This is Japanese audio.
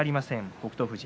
北勝富士。